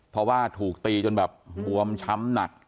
เพราะว่าถูกตีจนแบบบวมช้ำหนัก